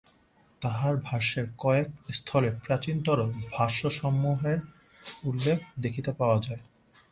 তাঁহার ভাষ্যের কয়েক স্থলে প্রাচীনতর ভাষ্যসমূহের উল্লেখ দেখিতে পাওয়া যায়।